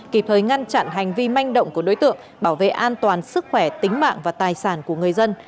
kịp thời ngăn chặn hành vi manh động của đối tượng bảo vệ an toàn sức khỏe tính mạng và tài sản của người dân